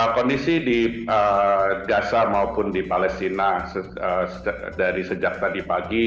kondisi di gaza maupun di palestina dari sejak tadi pagi